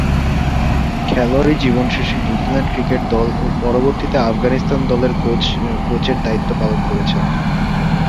খেলোয়াড়ী জীবন শেষে New Zealand cricket দল ও পরবর্তীতে আফগানিস্তান দলে কোচের দায়িত্ব পালন করেছেন।